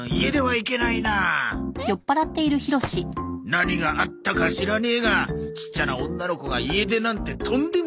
何があったか知らねえがちっちゃな女の子が家出なんてとんでもねえよ。